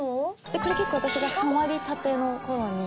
これ結構私がハマりたての頃に。